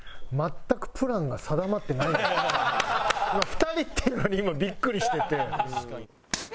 ２人っていうのに今ビックリしてて。